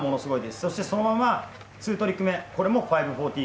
そしてそのままツートリック目、これも５４０。